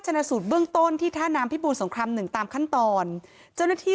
การเริ่มเติบจะมันกลอนมาก